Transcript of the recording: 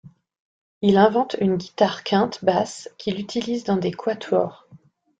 Il invente une guitare-quinte basse qu'il utilise dans des quatuors.